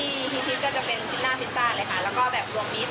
ส่วนใหญ่ที่ที่ทิศก็จะเป็นพิซซ่าพิซซ่าเลยค่ะแล้วก็แบบรวมมิตร